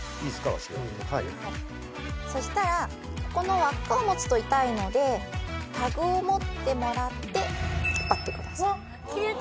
ワシははいそしたらここの輪っかを持つと痛いのでタグを持ってもらって引っ張ってください・わっ切れた！